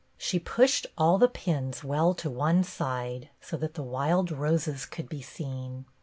She pushed all the pins well to one side so that the wild roses could be seen.